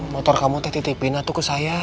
motor kamu teh titipin atau ke saya